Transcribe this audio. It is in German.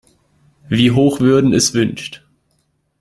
Wie Hochwürden es wünscht.